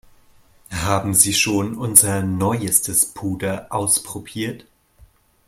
Haben Sie schon unser neuestes Puder ausprobiert?